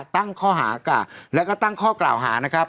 ตั้งข้อหากล่าแล้วก็ตั้งข้อกล่าวหานะครับ